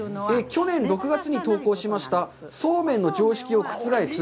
去年６月に投稿しましたそうめんの常識を覆す